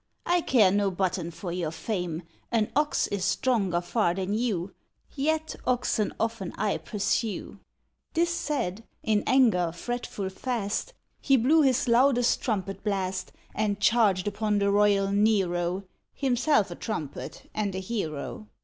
I care no button for your fame; An ox is stronger far than you, Yet oxen often I pursue." This said; in anger, fretful, fast, He blew his loudest trumpet blast, And charged upon the Royal Nero, Himself a trumpet and a hero.